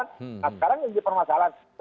nah sekarang ini permasalahan